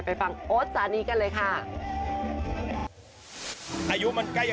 ไปฟังโอ๊ตสานีกันเลยค่ะ